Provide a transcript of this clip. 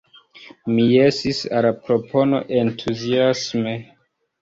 Mi jesis al la propono entuziasme.